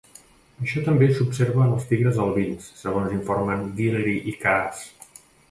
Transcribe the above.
Això també s'observa en els tigres albins, segons informen Guillery i Kaas.